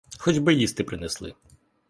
Хоч би їсти принесли!